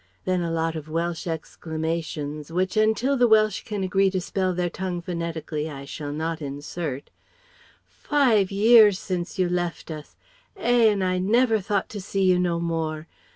then a lot of Welsh exclamations, which until the Welsh can agree to spell their tongue phonetically I shall not insert "Five years since you left us! Eh, and I never thought to see you no more.